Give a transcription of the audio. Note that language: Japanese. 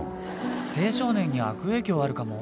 青少年に悪影響あるかも。